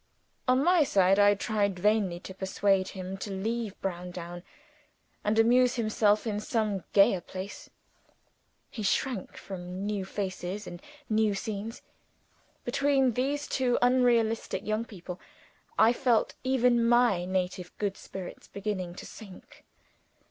On my side, I tried vainly to persuade him to leave Browndown and amuse himself in some gayer place. He shrank from new faces and new scenes. Between these two unelastic young people, I felt even my native good spirits beginning to sink.